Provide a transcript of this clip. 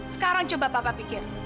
sekarang coba papa pikir